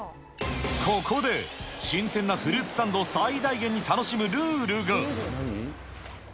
ここで、新鮮なフルーツサンドを最大限に楽しむルールが。